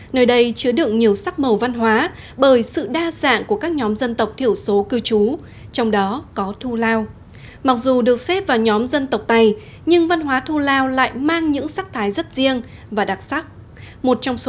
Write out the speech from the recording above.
hãy đăng ký kênh để ủng hộ kênh của chúng mình nhé